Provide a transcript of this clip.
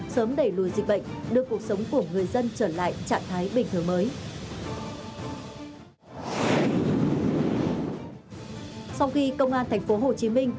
sớm đẩy lùi dịch bệnh đưa cuộc sống của người dân trở lại trạng thái bình thường mới